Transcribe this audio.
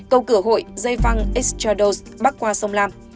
cầu cửa hội dây văng x chadows bắc qua sông lam